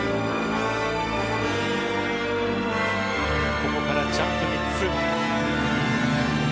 ここからジャンプ３つ。